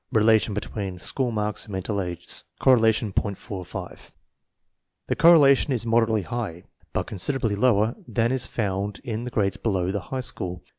RELATION BETWEEN SCHOOL MASKS AND MENTAL AGE (Correlation .45) 80 INTELLIGENCE OP SCHOOL CHILDREN The correlation is moderately high, but considerably lower than is found in the grades below the high school.